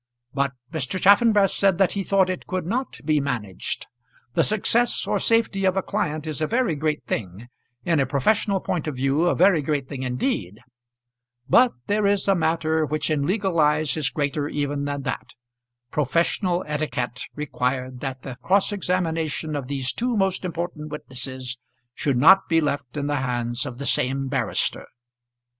But Mr. Chaffanbrass said that he thought it could not be managed. The success or safety of a client is a very great thing; in a professional point of view a very great thing indeed. But there is a matter which in legal eyes is greater even than that. Professional etiquette required that the cross examination of these two most important witnesses should not be left in the hands of the same barrister.